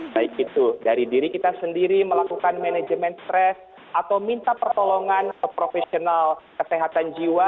baik itu dari diri kita sendiri melakukan manajemen stres atau minta pertolongan ke profesional kesehatan jiwa